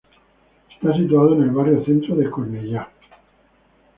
Está situado en el barrio Centro de Cornellá.